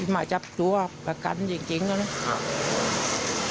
มาจับตัวประกันจริงลูก